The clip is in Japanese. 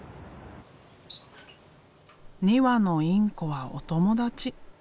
２羽のインコはお友達。